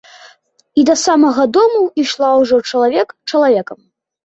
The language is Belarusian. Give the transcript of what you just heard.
І да самага дому ішла ўжо чалавек чалавекам.